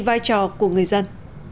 phát huy vai trò của người dân